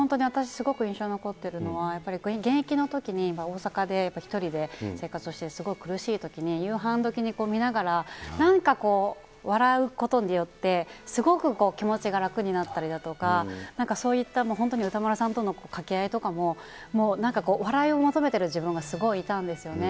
すごく印象に残っているのは、やっぱり現役のときに大阪で１人で生活をしてて、すごく苦しいときに、夕飯どきに見ながら、なんかこう、笑うことによって、すごく気持ちが楽になったりだとか、なんかそういった、本当に歌丸さんとのかけ合いとかも、もうなんか笑いを求めてる自分がすごいいたんですよね。